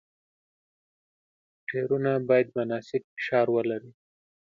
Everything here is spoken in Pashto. ټایرونه باید مناسب فشار ولري.